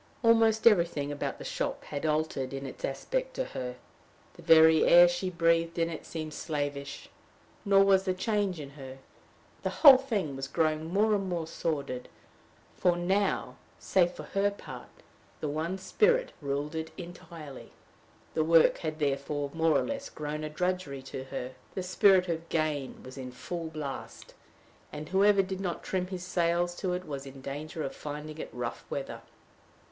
Almost everything about the shop had altered in its aspect to her. The very air she breathed in it seemed slavish. Nor was the change in her. The whole thing was growing more and more sordid, for now save for her part the one spirit ruled it entirely. The work had therefore more or less grown a drudgery to her. The spirit of gain was in full blast, and whoever did not trim his sails to it was in danger of finding it rough weather.